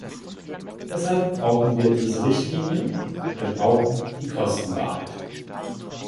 Deshalb brauchen wir diese Richtlinie, wir brauchen die Kostenwahrheit.